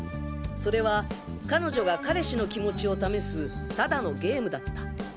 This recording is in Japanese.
それは彼女が彼氏の気持ちを試すただのゲームだった。